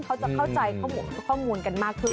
เขาจะเข้าใจข้อมูลกันมากขึ้น